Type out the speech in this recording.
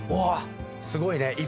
すごいね。